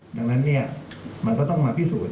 ดังนั้นมันก็ต้องมาพิสูจน